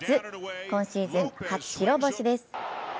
今シーズン初白星です。